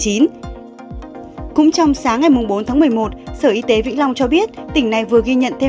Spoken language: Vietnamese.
cũng trong sáng ngày bốn tháng một mươi một sở y tế vĩnh long cho biết